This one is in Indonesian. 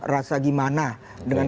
rasa gimana dengan